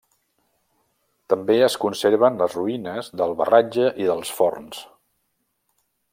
També es conserven les ruïnes del Barratge i dels Forns.